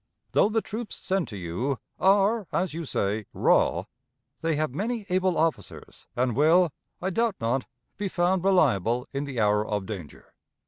Though the troops sent to you are, as you say, 'raw,' they have many able officers, and will, I doubt not, be found reliable in the hour of danger.